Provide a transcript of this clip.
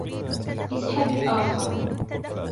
إسحب الآخر